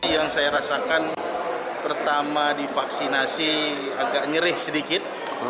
yang saya rasakan pertama divaksinasi agak nyeri sedikit